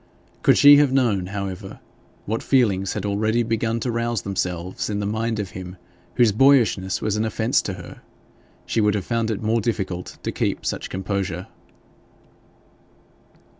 Could she have known, however, what feelings had already begun to rouse themselves in the mind of him whose boyishness was an offence to her, she would have found it more difficult to keep such composure.